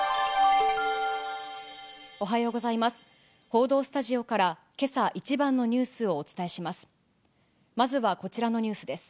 報道スタジオから、けさ一番のニュースをお伝えします。